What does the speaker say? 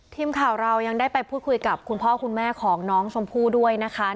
ทีมข่าวเรายังได้ไปพูดคุยกับคุณพ่อคุณแม่ของน้องชมพู่ด้วยนะคะ